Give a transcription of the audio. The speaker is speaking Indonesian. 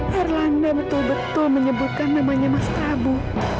herlanda betul betul menyebutkan namanya mas prabu